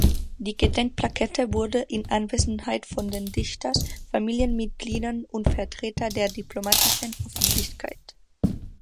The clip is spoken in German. Die Gedenkplakette wurde in Anwesenheit von den Dichters Familienmitgliedern und Vertreter der diplomatischen Öffentlichkeit.